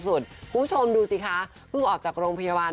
คุณผู้ชมดูสิคะเพิ่งออกจากโรงพยาบาล